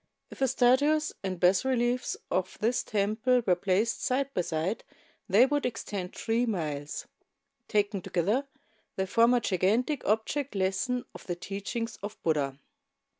If the statues and bas reliefs of this temple were placed side by side they would extend three miles. Taken together, they form a gigantic object lesson of the teachings of Buddha.